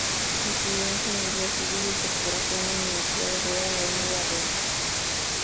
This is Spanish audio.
Estudió ingeniería civil y topografía en la Universidad Obrera Gabino Barreda.